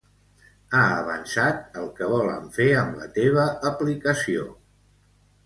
Ha avançat el que volen fer amb la teva aplicació.